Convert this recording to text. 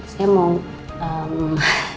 saya mau ehm